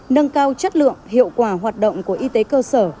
nâng cao chất lượng hiệu quả hoạt động của y tế cơ sở